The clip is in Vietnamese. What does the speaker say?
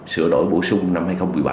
sửa đổi bổ sung năm hai nghìn một mươi bảy